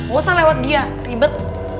gak usah lewat dia ribet